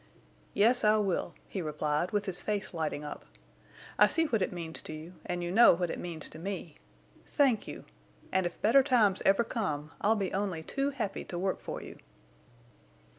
"Yes, I will," he replied, with his face lighting up. "I see what it means to you, and you know what it means to me. Thank you! And if better times ever come, I'll be only too happy to work for you."